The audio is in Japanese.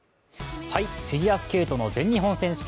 フィギュアスケートの全日本選手権。